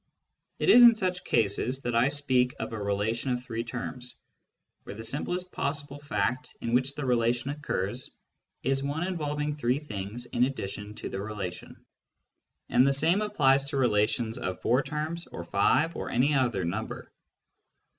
It is in such \ cases that I speak of a relation of three terms, where the ; simplest possible fact in which the relation occurs is one involving three things in addition to the relation. And the same applies to relations of four terms or five or any >y other number.